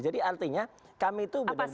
jadi artinya kami tuh benar benar ingin